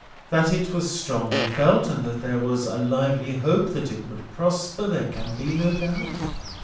That it was strongly felt, and that there was a lively hope that it would prosper, there can be no doubt.